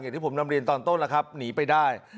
อย่างที่ผมนำเรียนตอนต้นแล้วครับหนีไปได้